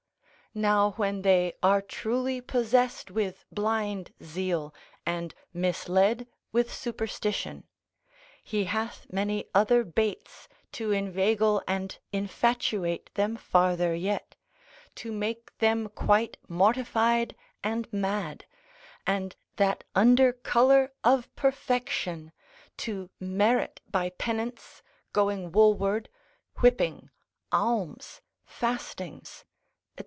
Now when they are truly possessed with blind zeal, and misled with superstition, he hath many other baits to inveigle and infatuate them farther yet, to make them quite mortified and mad, and that under colour of perfection, to merit by penance, going woolward, whipping, alms, fastings, &c.